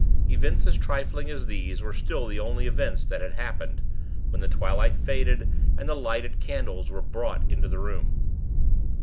Events as trifling as these were still the only events that had happened, when the twilight faded, and the lighted candles were brought into the room.